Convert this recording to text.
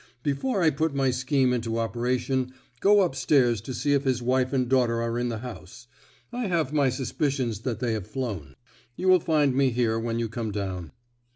Before I put my scheme into operation, go up stairs to see if his wife and daughter are in the house. I have my suspicions that they have flown. You will find me here when you come down."